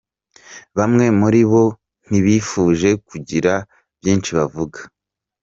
Bamwe muri bo ntibifuje kugira byinshi bavuga